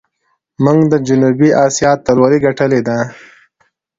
موږ د جنوبي آسیا اتلولي ګټلې ده.